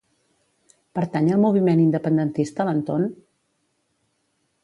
Pertany al moviment independentista l'Antón?